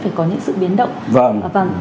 phải có những sự biến động